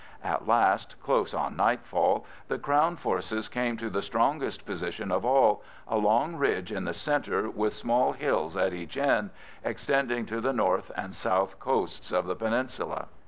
At last, close on nightfall, the Crown forces came to the strongest position of all—a long ridge in the centre with small hills at each end, extending to the north and south coasts of the peninsula.